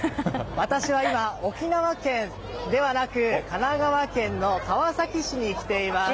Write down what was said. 私は今、沖縄県ではなく神奈川県の川崎市に来ています。